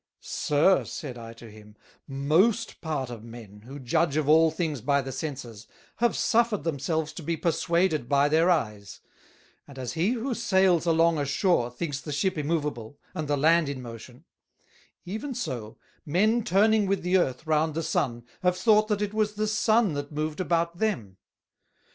"Sir," said I to him, "most part of Men, who judge of all things by the Senses, have suffered themselves to be perswaded by their Eyes; and as he who Sails along a Shoar thinks the Ship immoveable, and the Land in motion; even so Men turning with the Earth round the Sun have thought that it was the Sun that moved about them.